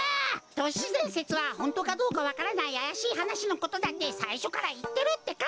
都市伝説はホントかどうかわからないあやしいはなしのことだってさいしょからいってるってか！